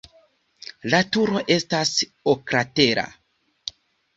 La turo estas oklatera.